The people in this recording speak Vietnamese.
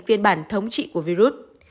phiên bản thống trị của virus